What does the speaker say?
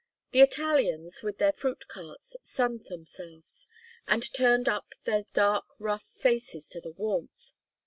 The Italians with their fruit carts sunned themselves, and turned up their dark rough faces to the warmth.